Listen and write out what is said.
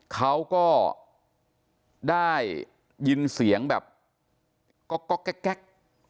เขาก็ได้ยินเสียงแบบก๊อกแก๊ก